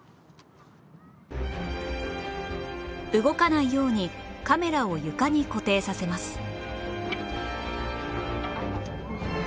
動かないようにカメラを床に固定させます